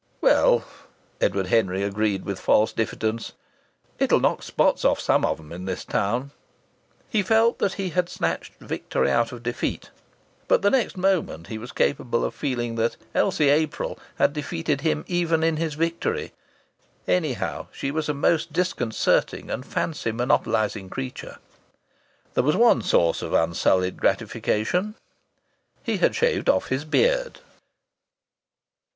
"Well," Edward Henry agreed with false diffidence. "It'll knock spots off some of 'em in this town!" He felt that he had snatched victory out of defeat. But the next moment he was capable of feeling that Elsie April had defeated him even in his victory. Anyhow, she was a most disconcerting and fancy monopolizing creature. There was one source of unsullied gratification, he had shaved off his beard.